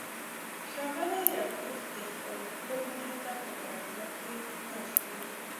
ښاغلی ربیټ د خپل کور مخې ته په برنډه کې ناست و